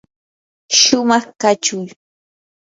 shumaq kachuy.